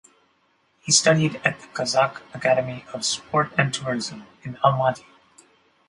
He studied at the Kazakh Academy of Sport and Tourism in Almaty.